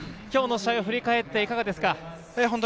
今日の試合を振り返っていかがですか。